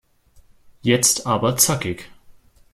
Jetzt aber zackig!